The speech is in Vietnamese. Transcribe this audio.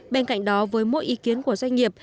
bên cạnh đó với mỗi ý kiến của doanh nghiệp